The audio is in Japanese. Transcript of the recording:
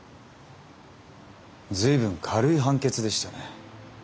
随分軽い判決でしたね。